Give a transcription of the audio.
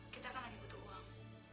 kita kan lagi butuh uang